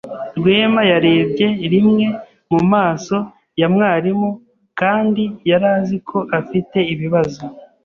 Rwema yarebye rimwe mu maso ya mwarimu kandi yari azi ko afite ibibazo.